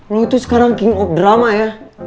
loh itu sekarang king of drama ya